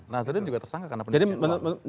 nazaruddin juga tersangka karena pencucian uang